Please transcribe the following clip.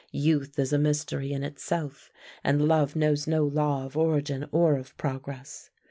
Youth is a mystery in itself, and love knows no law of origin or of progress.